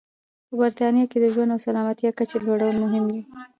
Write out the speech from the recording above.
په برېټانیا کې د ژوند او سلامتیا کچې لوړول مهم و.